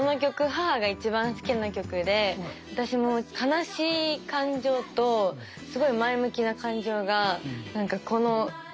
母が一番好きな曲で私も悲しい感情とすごい前向きな感情がこの１曲に両方詰まってて。